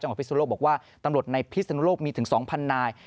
จังหวัดพิศนโลกบอกว่าตำรวจในพิศนโลกมีถึง๒๐๐๐นาย